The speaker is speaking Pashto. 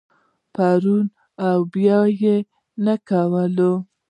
پر وا به یې نه کولای.